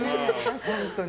本当に。